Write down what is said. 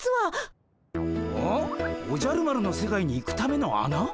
おじゃる丸の世界に行くためのあな？